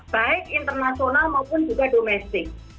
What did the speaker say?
baik internasional maupun juga domestik